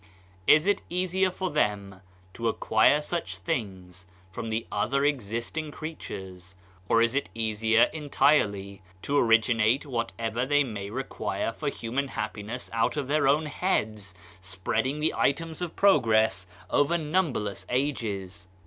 Is it easier for them to acquire such things from tfie other existing creatures, or is it easier entirely to originiate whatever they may re quire for human happiness out of their own heads, spreading the items of progress over numberless ages?